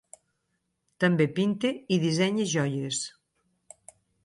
També pinta i dissenya joies.